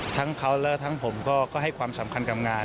ทั้งเขาและทั้งผมก็ให้ความสำคัญกับงาน